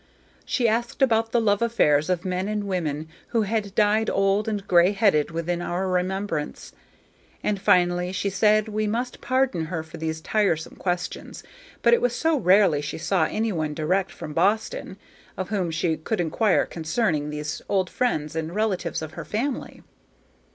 She asked about the love affairs of men and women who had died old and gray headed within our remembrance; and finally she said we must pardon her for these tiresome questions, but it was so rarely she saw any one direct from Boston, of whom she could inquire concerning these old friends and relatives of her family.